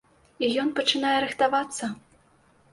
І ён пачынае рыхтавацца.